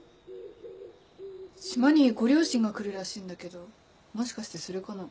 島にご両親が来るらしいんだけどもしかしてそれかな？